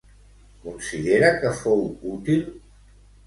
Considera que fou útil?